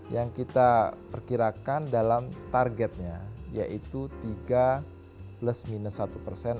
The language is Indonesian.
yang kita perkirakan dalam targetnya yaitu tiga plus minus satu persen